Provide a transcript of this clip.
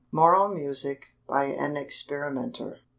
MORAL MUSIC. (BY AN EXPERIMENTER.)